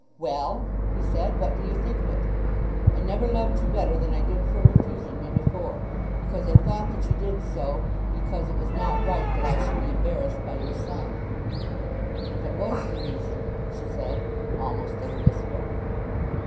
"Well," he said; "what do you think of it? I never loved you better than I did for refusing me before, because I thought that you did so because it was not right that I should be embarrassed by your son." "That was the reason," she said, almost in a whisper.